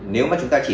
nếu mà chúng ta chỉ